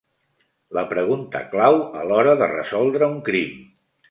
La pregunta clau a l'hora de resoldre un crim.